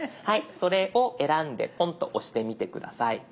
それを選んでポンと押してみて下さい。